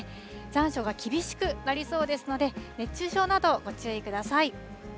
残暑が厳しくなりそうですので、熱中症など、ご注意ください。